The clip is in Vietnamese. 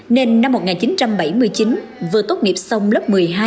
nên năm một nghìn chín trăm bảy mươi chín vừa tốt nghiệp xong lớp một mươi hai